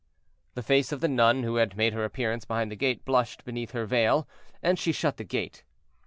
The face of the nun who had made her appearance behind the gate blushed beneath her veil, and she shut the gate.